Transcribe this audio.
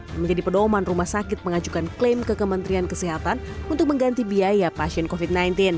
yang menjadi pedoman rumah sakit mengajukan klaim ke kementerian kesehatan untuk mengganti biaya pasien covid sembilan belas